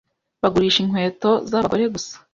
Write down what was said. Bagurisha inkweto zabagore gusa.